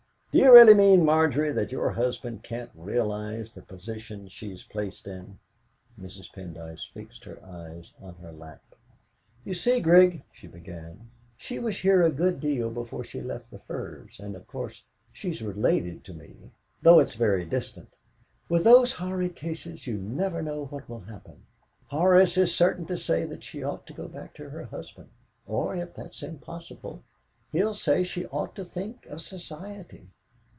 Do you really mean, Margery, that your husband can't realise the position she's placed in?" Mrs. Pendyce fixed her eyes on her lap. "You see, Grig," she began, "she was here a good deal before she left the Firs, and, of course, she's related to me though it's very distant. With those horrid cases, you never know what will happen. Horace is certain to say that she ought to go back to her husband; or, if that's impossible, he'll say she ought to think of Society.